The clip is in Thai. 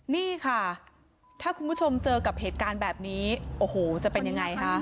นี่ค่ะถ้าคุณผู้ชมเจอกับเหตุการณ์แบบนี้โอ้โหจะเป็นยังไงคะ